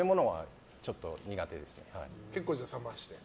結構、冷まして？